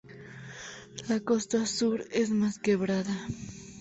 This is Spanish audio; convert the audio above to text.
La costa sur es más quebrada.